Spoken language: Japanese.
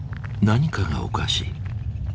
何かがおかしい。